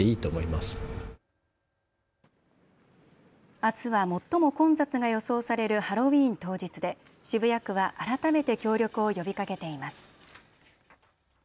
あすは最も混雑が予想されるハロウィーン当日で渋谷区は改めて協力を呼びかけています。